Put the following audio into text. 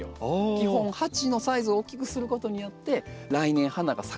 基本鉢のサイズを大きくすることによって来年花が咲くってなるので。